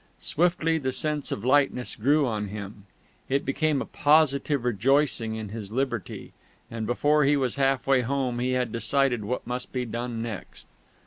Swiftly the sense of lightness grew on him: it became a positive rejoicing in his liberty; and before he was halfway home he had decided what must be done next.